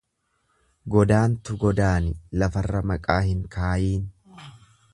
Godaantu godaani lafarra maqaa hin kaayiin.